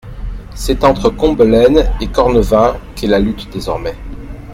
C'est entre Combelaine et Cornevin qu'est la lutte désormais.